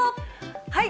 はい。